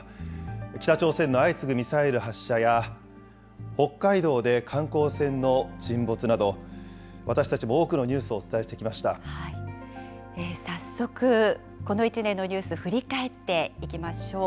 北朝鮮の相次ぐミサイル発射や、北海道で観光船の沈没など、私たちも多くのニュースをお伝えして早速、この１年のニュース、振り返っていきましょう。